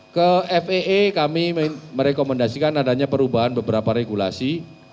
ke faa kami merekomendasikan adanya perubahan beberapa regulasi